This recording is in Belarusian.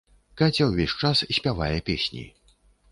Каця ўвесь час спявае песні.